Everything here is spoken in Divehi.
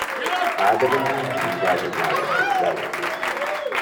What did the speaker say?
އާދެވުނުހެން ހީވާ ދިމާލަށް ދުއްވައިގަތީ